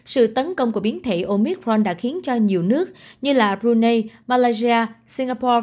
sự tấn công của biến thể omicron đã khiến cho nhiều nước như là brunei malaysia singapore